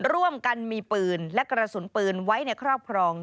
ร่วมกันมีปืนและกระสุนปืนไว้ในครอบครอง